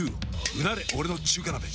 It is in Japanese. うなれ俺の中華鍋！